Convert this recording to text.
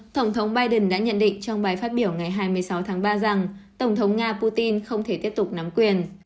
tổng thống biden đã nhận định trong bài phát biểu ngày hai mươi sáu tháng ba rằng tổng thống nga putin không thể tiếp tục nắm quyền